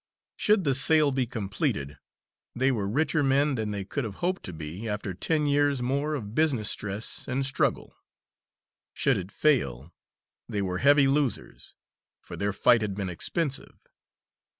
Should the sale be completed, they were richer men than they could have hoped to be after ten years more of business stress and struggle; should it fail, they were heavy losers, for their fight had been expensive.